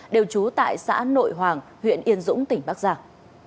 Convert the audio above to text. đều trú tại xã nội hoàng huyện yên dũng tỉnh bắc giang